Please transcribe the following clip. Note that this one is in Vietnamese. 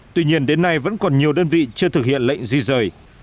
tuy nhiên đến nay vẫn còn nhiều đơn vị chưa thực hiện lệnh di rời